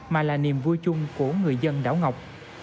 mà là niềm vui chung của người dân đảo ngọc